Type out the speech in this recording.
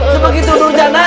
sebagitu duduk janah aja